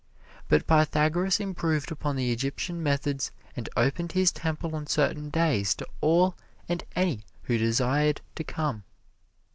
But Pythagoras improved upon the Egyptian methods and opened his temple on certain days to all and any who desired to come.